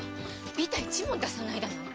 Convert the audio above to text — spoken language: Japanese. びた一文出さないだなんて！